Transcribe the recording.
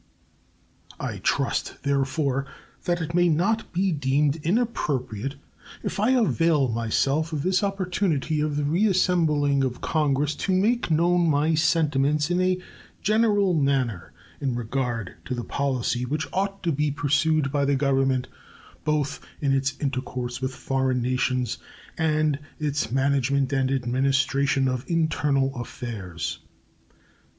I trust, therefore, that it may not be deemed inappropriate if I avail myself of this opportunity of the reassembling of Congress to make known my sentiments in a general manner in regard to the policy which ought to be pursued by the Government both in its intercourse with foreign nations and its management and administration of internal affairs.